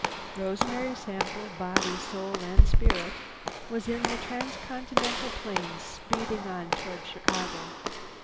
Rosemary Sample, body, soul and spirit, was in the trans continental plane speeding on toward Chicago.